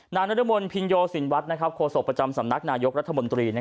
นรมนต์พินโยสินวัฒน์โฆษกประจำสำนักนายกรัฐมนตรี